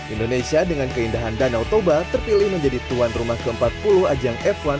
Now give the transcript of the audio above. indonesia dengan keindahan danau toba terpilih menjadi tuan rumah ke empat puluh ajang f satu